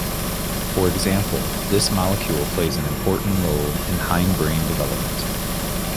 For example, this molecule plays an important role in hindbrain development.